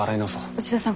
内田さん